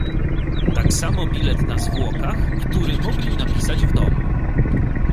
"Tak samo bilet na zwłokach, który mogli napisać w domu."